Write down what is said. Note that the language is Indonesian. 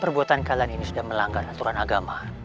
perbuatan kalian ini sudah melanggar aturan agama